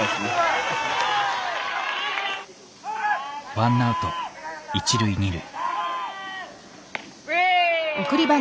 ワンアウト一塁二塁。